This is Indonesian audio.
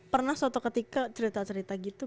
pernah suatu ketika cerita cerita gitu